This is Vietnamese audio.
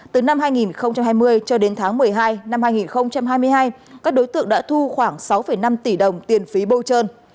từ năm hai nghìn hai mươi cho đến tháng một mươi hai năm hai nghìn hai mươi hai các đối tượng đã thu khoảng sáu năm tỷ đồng tiền phí bôi trơn